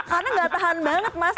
karena tidak tahan banget mas